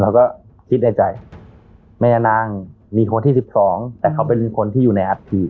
แล้วก็คิดในใจแม่นางมีคนที่๑๒แต่เขาเป็นคนที่อยู่ในอัพที